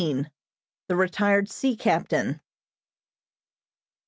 THE RETIRED SEA CAPTAIN.